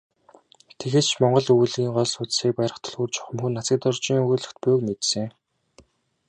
Тэгээд ч монгол өгүүллэгийн гол судсыг барих түлхүүр чухамхүү Нацагдоржийн өгүүллэгт буйг мэдсэн.